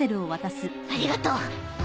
ありがとう。